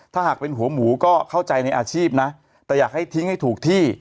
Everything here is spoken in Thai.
ถ้าหากเป็นหัวหมูก็เข้าใจในอาชีพนะแต่อยากให้ทิ้งให้ถูกที่